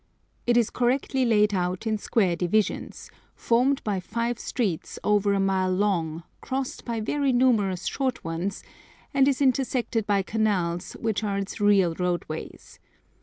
It is correctly laid out in square divisions, formed by five streets over a mile long, crossed by very numerous short ones, and is intersected by canals, which are its real roadways.